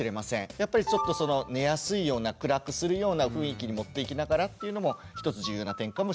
やっぱりちょっとその寝やすいような暗くするような雰囲気にもっていきながらっていうのも一つ重要な点かもしれません。